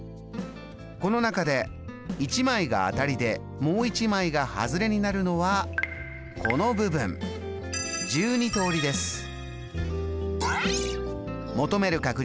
この中で１枚が当たりでもう１枚がハズレになるのはこの部分１２通りです。